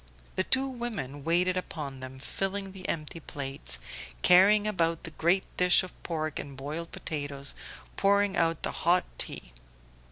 The two women waited upon them, filling the empty plates, carrying about the great dish of pork and boiled potatoes, pouring out the hot tea.